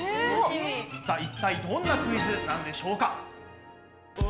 さあ一体どんなクイズなんでしょうか？